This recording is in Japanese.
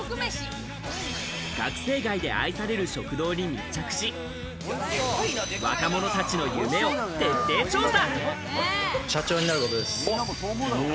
学生街で愛される食堂に密着し、若者たちの夢を徹底調査。